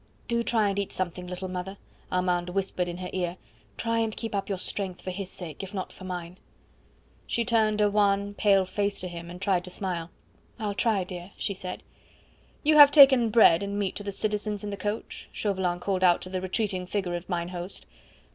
"Do try and eat something, little mother," Armand whispered in her ear; "try and keep up your strength for his sake, if not for mine." She turned a wan, pale face to him, and tried to smile. "I'll try, dear," she said. "You have taken bread and meat to the citizens in the coach?" Chauvelin called out to the retreating figure of mine host.